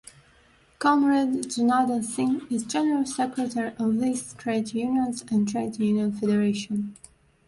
Comrade Janardan Singh is General Secretary of these trade unions and trade union federation.